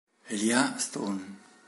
Elijah Stone.